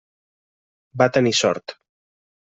Va tenir sort.